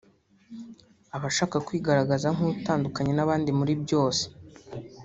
aba ashaka kwigaragaza nk’utandukanye n’abandi muri byose